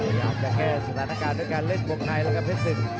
เพศสึกพยายามจะแก้สถานการณ์ด้วยการเลี้ยงบลงในกับเฮดซึด